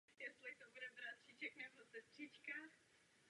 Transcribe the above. Rád bych ji fakticky opravil.